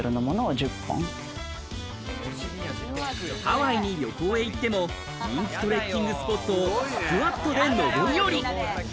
ハワイに旅行へ行っても人気トレッキングスポットをスクワットで上り下り。